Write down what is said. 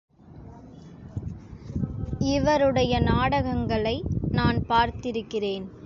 இவருடைய நாடகங்களை நான் பார்த்திருக்கிறேன்.